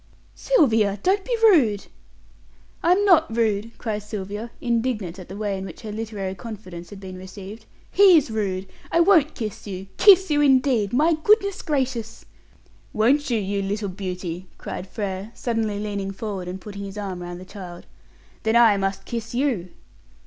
"Sylvia, don't be rude!" "I'm not rude," cries Sylvia, indignant at the way in which her literary confidence had been received. "He's rude! I won't kiss you. Kiss you indeed! My goodness gracious!" "Won't you, you little beauty?" cried Frere, suddenly leaning forward, and putting his arm round the child. "Then I must kiss you!"